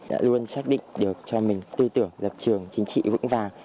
đã luôn xác định được cho mình tư tưởng lập trường chính trị vững vàng